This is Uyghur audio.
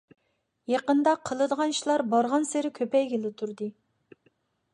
يېقىندا قىلىدىغان ئىشلار بارغانسېرى كۆپەيگىلى تۇردى.